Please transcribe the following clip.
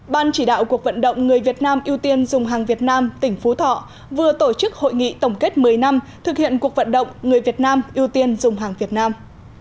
ban chỉ đạo cuộc vận động người việt nam ưu tiên dùng hàng việt nam tỉnh phú thọ vừa tổ chức hội nghị tổng kết một mươi năm thực hiện cuộc vận động người việt nam ưu tiên dùng hàng việt nam